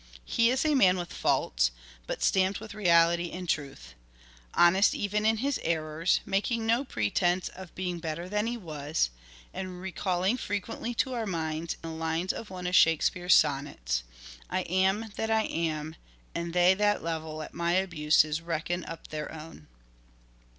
He is a man with faults, but stamped with reality and truth ; honest even in his errors, making no pretence of being better than he was, and recalling frequently to our minds the lines in one of Shakespeare's sonnets : 1 ' I am that I am, and they that level At my abuses reckon up their own."